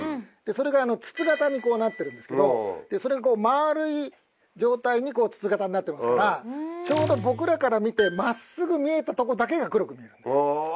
それが筒形になってるんですけどそれが丸い状態に筒形になってますからちょうど僕らから見て真っすぐ見えたとこだけが黒く見えるんです。